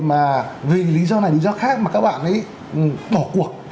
mà vì lý do này lý do khác mà các bạn ấy bỏ cuộc